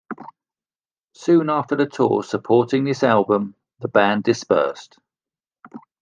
Soon after the tour supporting this album, the band dispersed.